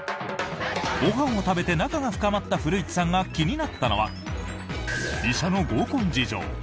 ご飯を食べて仲が深まった古市さんが気になったのは医者の合コン事情。